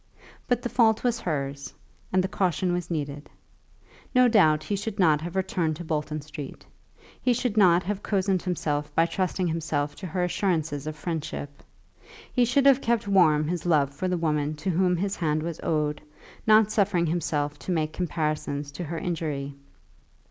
But the fault was hers, and the caution was needed. No doubt he should not have returned to Bolton Street. He should not have cozened himself by trusting himself to her assurances of friendship; he should have kept warm his love for the woman to whom his hand was owed, not suffering himself to make comparisons to her injury.